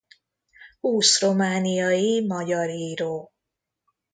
Húsz romániai magyar író.